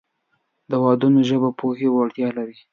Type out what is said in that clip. د عددونو ژبه د پوهې وړتیا لري.